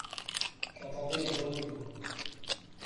J’entendais les grenouilles.